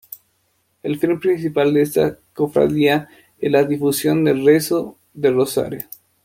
El fin principal de esta cofradía es la difusión del rezo del rosario.